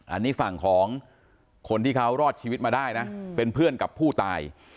อันนี้ฝั่งของคนที่เขารอดชีวิตมาได้นะเป็นเพื่อนกับผู้ตาย